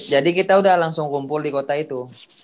jadi kita udah langsung kumpul di kota itu